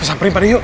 masamperin pada yuk